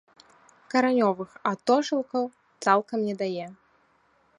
Каранёвых атожылкаў цалкам не дае.